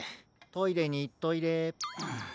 トイレにいっといれ。